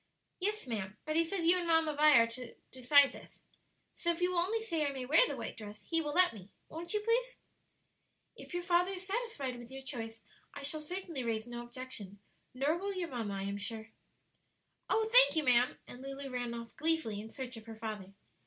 "Yes, ma'am; but he says you and Mamma Vi are to decide this. So if you will only say I may wear the white dress, he will let me. Won't you, please?" "If your father is satisfied with your choice I shall certainly raise no objection; nor will your mamma, I am quite sure." "Oh, thank you, ma'am!" and Lulu ran off gleefully in search of her father.